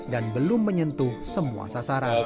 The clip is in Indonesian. dan belum menyentuh semua sasaran